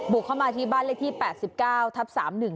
เข้ามาที่บ้านเลขที่๘๙ทับ๓๑